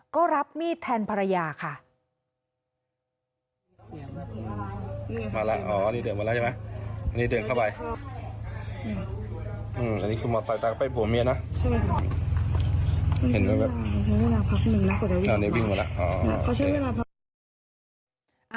ก็รับมีดแทนภรรยาค่ะ